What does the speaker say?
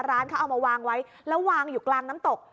ร้านเขาเอามาวางไว้แล้ววางอยู่กลางน้ำตก